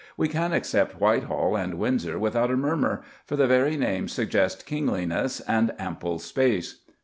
We can accept Whitehall and Windsor without a murmur, for the very names suggest kingliness and ample space.